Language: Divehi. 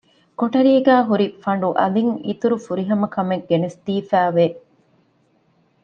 ކޮޓަރީގައި ހުރި ފަނޑު އަލިން އިތުރު ފުރިހަމަކަމެއް ގެނެސްދީފައި ވެ